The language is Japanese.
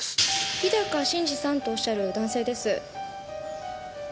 日高真二さんとおっしゃる男性です。